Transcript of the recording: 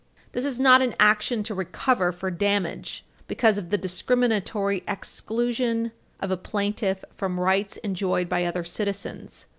This is not an action to recover for damage because of the discriminatory exclusion of a plaintiff from rights enjoyed by other citizens.